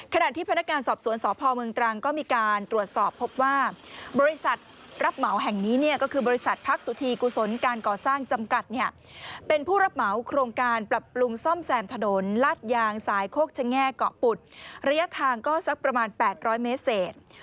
ขณะที่พนักงานสอบสวนสพเมืองตรังก็มีการตรวจสอบพบว่าบริษัทรับเหมาแห่งนี้เนี่ยก็คือบริษัทพักสุธีกุศลการก่อสร้างจำกัดเนี่ยเป็นผู้รับเหมาโครงการปรับปรุงซ่อมแซมถนนลาดยางสายโคกชะแง่เกาะปุดระยะทางก็สักประมาณ๘๐๐เมตรเศษ